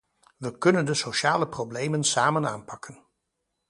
We kunnen de sociale problemen samen aanpakken.